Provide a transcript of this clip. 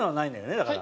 だから。